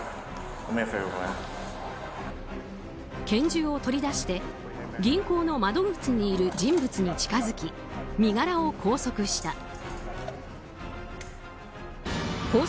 拳銃を取り出して銀行の窓口にいる人物に近づき身柄を拘束した。